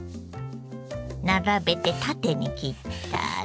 並べて縦に切ったら。